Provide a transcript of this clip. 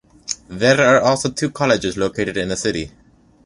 There are also two colleges located in the city.